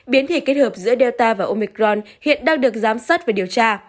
biến thể kết hợp giữa delta và omicron hiện đang được giám sát và điều tra